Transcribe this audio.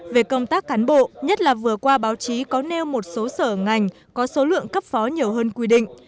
về công tác cán bộ nhất là vừa qua báo chí có nêu một số sở ngành có số lượng cấp phó nhiều hơn quy định